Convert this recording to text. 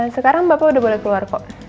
sekarang bapak udah boleh keluar kok